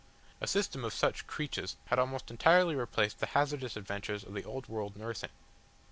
A system of such crèches had almost entirely replaced the hazardous adventures of the old world nursing.